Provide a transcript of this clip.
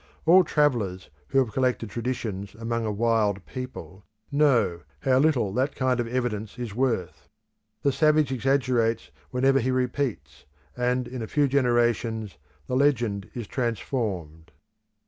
All travellers who have collected traditions among a wild people know how little that kind of evidence is worth. The savage exaggerates whenever he repeats, and in a few generations the legend is transformed.